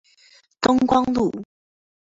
東光路